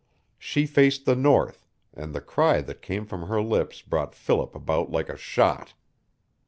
She faced the north, and the cry that came from her lips brought Philip about like a shot.